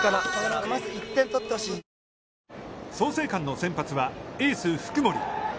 創成館の先発は、エース福盛。